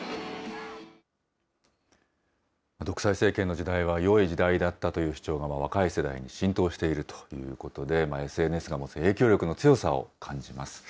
独裁政権の時代はよい時代だったという主張が若い世代に浸透しているということで、ＳＮＳが持つ影響力の強さを感じます。